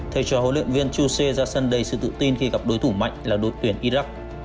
thầy trò huấn luyện viên chuse ra sân đầy sự tự tin khi gặp đối thủ mạnh là đội tuyển iraq